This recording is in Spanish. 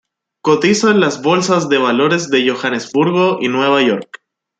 Cotiza en las bolsas de valores de Johannesburgo y Nueva York.